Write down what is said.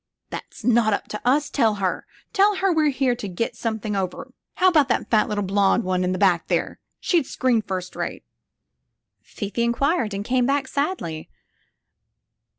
That's not up to us, tell her; tell her weVe here to get something over ! How about that fat little blond one in back there T She'd screen first rate/' Fifi inquired and came back sadly.